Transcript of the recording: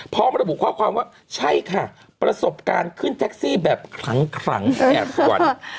พอมันบุความว่าใช่ค่ะประสบการณ์ขึ้นแท็กซี่แบบครั้งแอบกว่าน